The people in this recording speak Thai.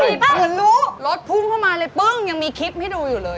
เหมือนรู้รถพุ่งเข้ามาเลยปึ้งยังมีคลิปให้ดูอยู่เลย